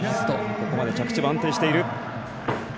ここまで着地は安定している。